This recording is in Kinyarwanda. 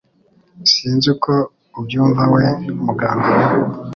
sinz uko ubyumva we muganga we